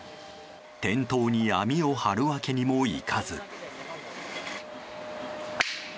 店頭に網を張るわけにもいかず。